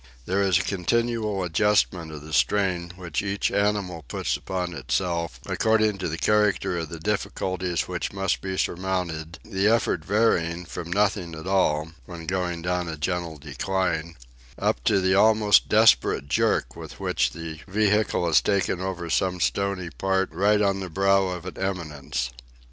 There is a continual adjustment of the strain which each animal puts upon itself according to the character of the difficulties which must be surmounted, the effort varying from nothing at all when going down a gentle decline up to the almost desperate jerk with which the vehicle is taken over some stony part right on the brow of an eminence.